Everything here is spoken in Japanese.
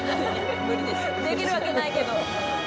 できるわけないけど。